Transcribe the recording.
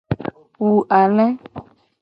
Wu ale.